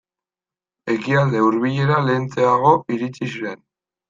Ekialde Hurbilera lehentxeago iritsi ziren.